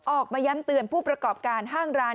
ออกมาย้ำเตือนผู้ประกอบการห้างร้าน